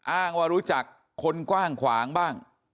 อ้างว่ารู้จักคนกว้างขวางบ้าง